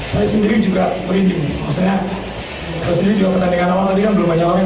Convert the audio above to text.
saya sendiri juga merinding maksudnya saya sendiri juga pertandingan awal tadi kan belum banyak orang yang